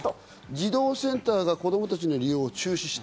児童センターが子供たちの利用を中止した。